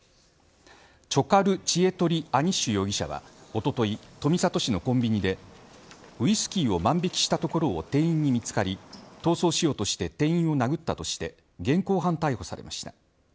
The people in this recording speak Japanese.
チョカルチエトリアニッシュ容疑者はおととい、富里市のコンビニでウイスキーを万引したところを店員に見つかり逃走しようとして店員を殴ったなどとして現行犯逮捕されました。